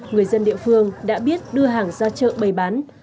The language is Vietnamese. người dân địa phương đã biết đưa hàng ra chợ bày bán